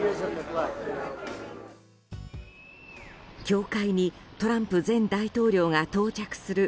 教会にトランプ前大統領が到着する